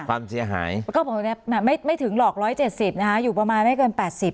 ความเสียหายก็ผมเนี่ยไม่ไม่ถึงหลอกร้อยเจ็ดสิบนะคะอยู่ประมาณไม่เกินแปดสิบ